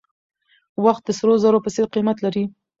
وخت د سرو زرو په څېر قیمت لري.